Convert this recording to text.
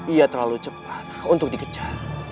ia terlalu cepat untuk dikejar